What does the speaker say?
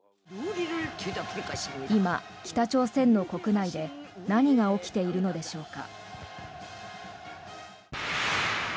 今、北朝鮮の国内で何が起きているのでしょうか。